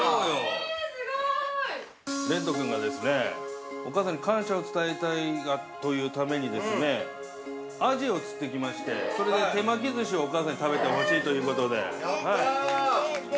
◆え、すごい。◆れんと君がですね、お母さんに感謝を伝えたいというためにですね、アジを釣ってきまして、それで手巻きずしをお母さんに食べてほしいということで。